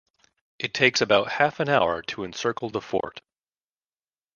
It takes about half an hour to encircle the fort